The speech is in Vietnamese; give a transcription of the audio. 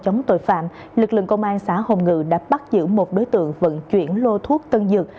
chống tội phạm lực lượng công an xã hồng ngự đã bắt giữ một đối tượng vận chuyển lô thuốc tân dược